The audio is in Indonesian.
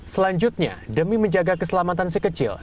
selanjutnya demi menjaga keselamatan si kecil